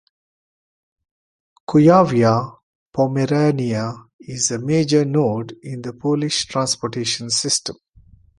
Kuyavia-Pomerania is a major node in the Polish transportation system.